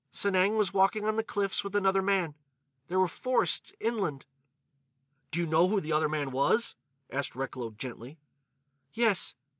"Sanang was walking on the cliffs with another man. There were forests, inland." "Do you know who the other man was?" asked Recklow gently. "Yes.